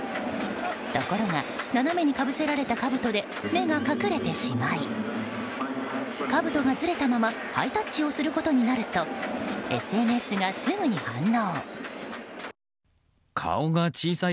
ところが斜めにかぶせられたかぶとで目が隠れてしまいかぶとがずれたままハイタッチをすることになるとＳＮＳがすぐに反応。